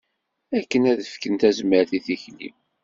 Akken ad tefkem tazmert i tikli.